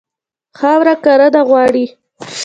خاوره کرنه غواړي.